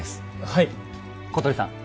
はい小鳥さん